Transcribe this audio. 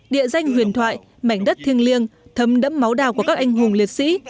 địa danh huyền thoại mảnh đất thiêng liêng thấm đẫm máu đào của các anh hùng liệt sĩ